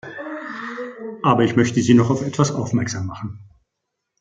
Aber ich möchte Sie noch auf etwas aufmerksam machen.